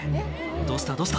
「どうしたどうした？」